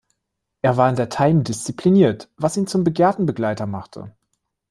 Er war in der Time diszipliniert, was ihn zum begehrten Begleiter machte.